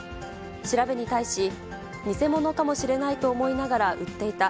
調べに対し、偽物かもしれないと思いながら売っていた。